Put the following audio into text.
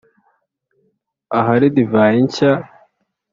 ahari divayi nshya